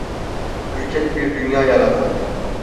Ürkek bir dünya yaratan…